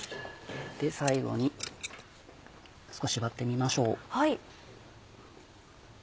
最後に少し割ってみましょう。